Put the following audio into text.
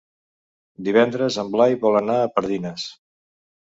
Divendres en Blai vol anar a Pardines.